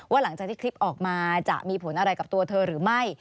หลังจากที่คลิปออกมาจะมีผลอะไรกับตัวเธอหรือไม่